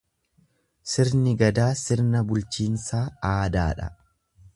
Sirni Gadaa sirna bulchiinsaa aadaa dha.